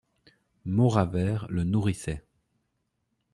Mauravert le nourrissait.